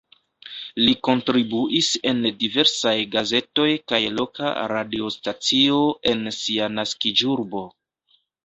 Li kontribuis en diversaj gazetoj kaj loka radiostacio en sia naskiĝurbo.